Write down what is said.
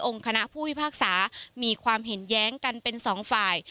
คณะผู้พิพากษามีความเห็นแย้งกันเป็นสองฝ่าย